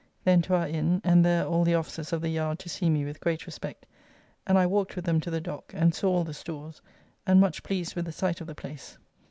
Then to our inn, and there all the officers of the Yard to see me with great respect, and I walked with them to the Dock and saw all the stores, and much pleased with the sight of the place.